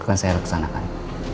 bukan saya reksanakan